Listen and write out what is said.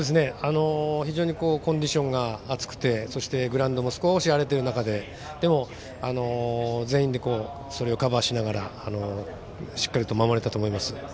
非常にコンディションが暑くてそしてグラウンドも少し荒れてる中で、でも全員でそれをカバーしながらしっかりと守れたと思います。